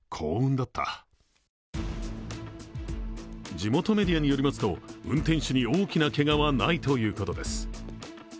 地元メディアによりますと運転手に大きなけがはないということです。